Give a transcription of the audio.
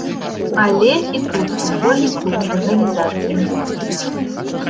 Але і тут футбольны клуб з арганізацыяй.